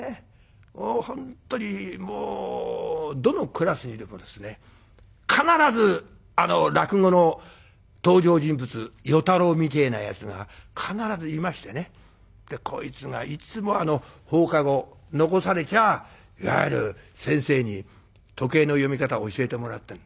もう本当にどのクラスにもですね必ず落語の登場人物与太郎みてえなやつが必ずいましてねこいつがいつも放課後残されちゃいわゆる先生に時計の読み方を教えてもらってる。